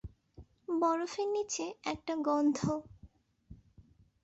বরফের নিচে একটা গন্ধ।